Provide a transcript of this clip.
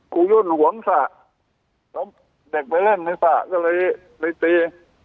กูยุ่นหวงสะเด็กไปเล่นในสะก็เลยไปตี